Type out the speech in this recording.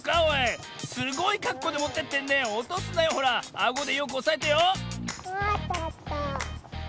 あごでよくおさえてよもてた。